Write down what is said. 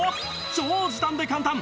超時短で簡単！